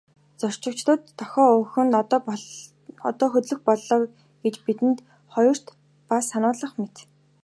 Зорчигчдод дохио өгөх нь одоо хөдлөх боллоо гэж бид хоёрт ч бас сануулах мэт.